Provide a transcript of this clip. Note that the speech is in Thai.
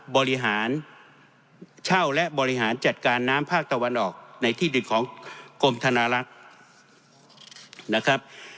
บริหารเช่าและบริหารจัดการน้ำภาคตะวันออกในที่ดึกของกรมธนารักษ์นะครับ